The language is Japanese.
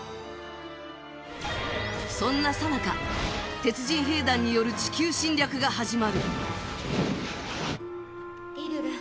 そんなさなか鉄人兵団による地球侵略が始まる。